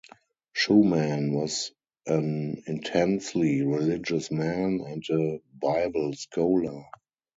Schuman was an intensely religious man and a Bible scholar.